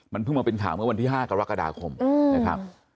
เพิ่งมาเป็นข่าวเมื่อวันที่๕กรกฎาคมนะครับ